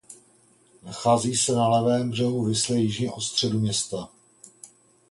Nachází se na levém břehu Visly jižně od středu města.